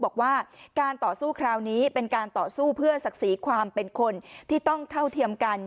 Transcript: บอกว่าการต่อสู้คราวนี้เป็นการต่อสู้เพื่อศักดิ์ศรีความเป็นคนที่ต้องเท่าเทียมกัน